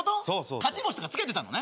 勝ち星とか付けてたのね。